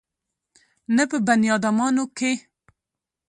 نه په بنيادامانو کښې.